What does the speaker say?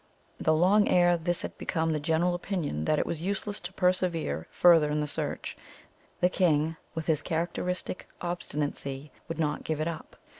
Though long ere this it had become the general opinion that it was useless to persevere further in the search, the king, with his characteristic obstinacy, would not give it up.